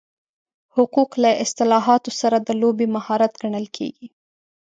حقوق له اصطلاحاتو سره د لوبې مهارت ګڼل کېږي.